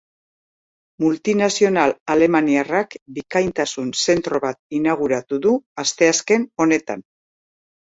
Multinazional alemaniarrak bikaintasun zentro bat inauguratu du asteazken honetan.